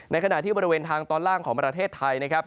ขณะที่บริเวณทางตอนล่างของประเทศไทยนะครับ